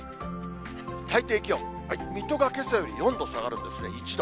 最低気温、水戸がけさより４度下がるんですね、１度。